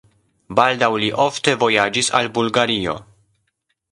Baldaŭ li ofte vojaĝis al Bulgario.